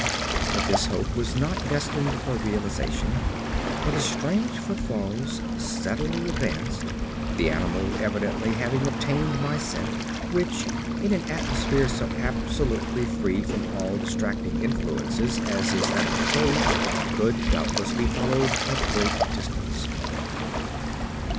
But this hope was not destined for realisation, for the strange footfalls steadily advanced, the animal evidently having obtained my scent, which in an atmosphere so absolutely free from all distracting influences as is that of the cave, could doubtless be followed at great distance.